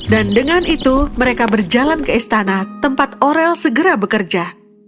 dan dengan itu mereka berjalan ke istana tempat orel segera bekerja